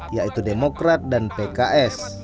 yaitu demokrat dan pks